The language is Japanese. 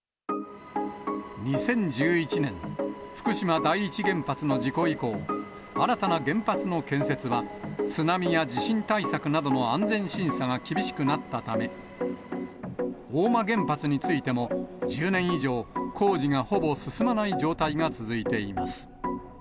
２０１１年、福島第一原発の事故以降、新たな原発の建設は、津波や地震対策などの安全審査が厳しくなったため、大間原発についても、１０年以上、工事がほぼ進まない状態が続いています。